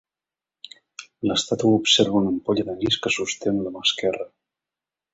L'estàtua observa una ampolla d'anís que sosté amb la mà esquerra.